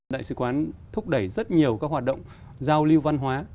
đại sứ quán thúc đẩy rất nhiều các hoạt động giao lưu văn hóa